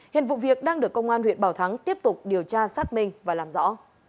hiện vụ việc đang được công an huyện bảo thắng tiếp tục điều tra xác minh và làm rõ